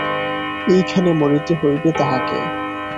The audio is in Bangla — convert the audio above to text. এইখানে মরিতে হইবে তাহাকে।